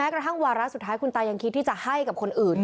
กระทั่งวาระสุดท้ายคุณตายังคิดที่จะให้กับคนอื่น